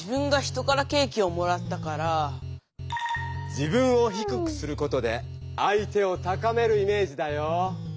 自分を低くすることで相手を高めるイメージだよ。